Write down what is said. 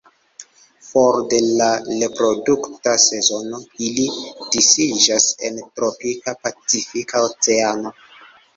For de la reprodukta sezono ili disiĝas en tropika Pacifika Oceano.